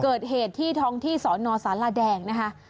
เกิดเหตุที่ท้องที่สอนอสารแดงนะคะ